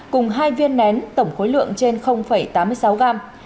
cùng hai viên nén tổng khối lượng trên tám mươi sáu gram